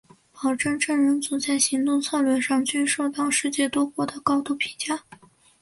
保护证人组在行动策略上均受到世界多国的高度评价。